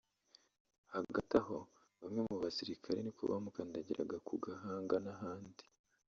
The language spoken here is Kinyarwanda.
hagati aho bamwe mu basirikare ni ko bamukandagiraga ku gahanga n’ahandi